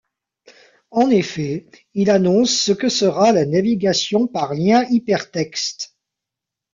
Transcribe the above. En effet, il annonce ce que sera la navigation par lien hypertexte.